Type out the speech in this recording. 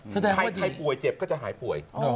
ถ้าใครป่วยเจ็บก็จะหายป่วย